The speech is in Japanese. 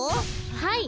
はい。